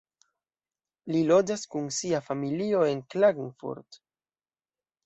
Li loĝas kun sia familio en Klagenfurt.